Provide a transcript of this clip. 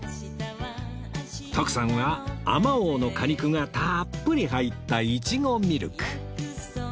徳さんはあまおうの果肉がたっぷり入った苺ミルク